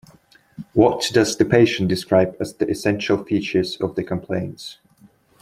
What does the patient describe as the essential features of the complaints?